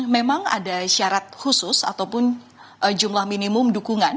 memang ada syarat khusus ataupun jumlah minimum dukungan